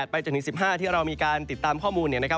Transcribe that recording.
๘ไปจนถึง๑๕ที่เรามีการติดตามข้อมูล